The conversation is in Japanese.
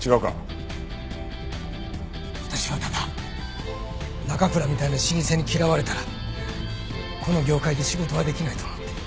私はただ奈可倉みたいな老舗に嫌われたらこの業界で仕事はできないと思って。